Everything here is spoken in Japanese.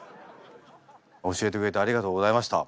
教えてくれてありがとうございました。